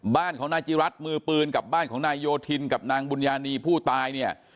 บ้านของนายจิรัตน์มือปืนกับบ้านของนายโยธินกับนางบุญญานีผู้ตายเนี่ย